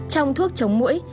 trong thuốc chống mũi